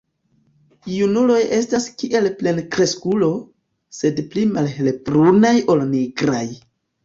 Junuloj estas kiel plenkreskulo, sed pli malhelbrunaj ol nigraj.